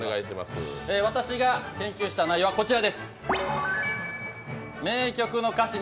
私が研究した内容はこちらです。